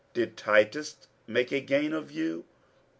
Did Titus make a gain of you?